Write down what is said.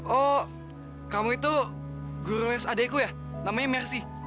oh kamu itu guru neles adekku ya namanya mercy